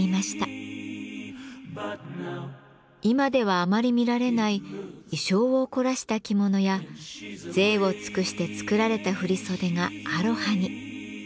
今ではあまり見られない意匠を凝らした着物や贅を尽くして作られた振り袖がアロハに。